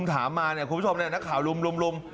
ถามมาเนี่ยคุณผู้ชมนักข่าวลุม